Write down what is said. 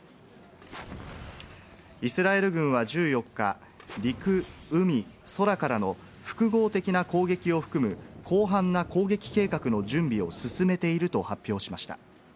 イスラエル軍は１４日、陸、海、空からの複合的な攻撃を含む広範な攻撃計画の準備を進めていると発表しました。